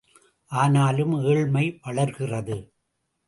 ஆனாலும் ஏழ்மை வளர்கிறது!